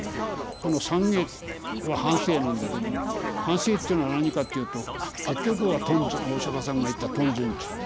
その懺悔は反省なんだけど反省っていうのは何かっていうと結局はお釈さんが言った「貪瞋痴」。